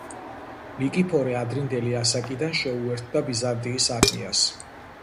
ნიკიფორე ადრინდელი ასაკიდან შეუერთდა ბიზანტიის არმიას.